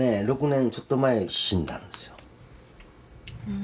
年ちょっと前に死んだんですよ。